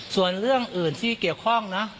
ส่วนเรื่องอื่นที่เกี่ยวข้องนะ